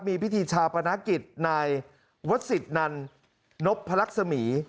มีพิธีชาปนกฤษนายวัตสิทธิ์นันนบพระลักษมีศ์